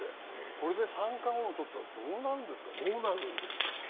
これで三冠王取ったらどうなるんですか？